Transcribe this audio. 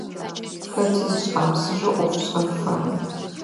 Хэти зышъхьамысыжьэу ӏоф ышӏэн фае.